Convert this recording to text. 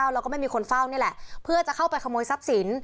แล้วก็ไม่มีคนเฝ้านี่แหละเพื่อจะเข้าไปขโมยทรัพย์สิน